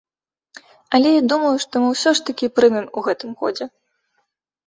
Але я думаю, што мы ўсё ж такі прымем у гэтым годзе.